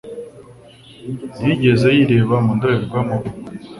Ntiyigeze yireba mu ndorerwamo?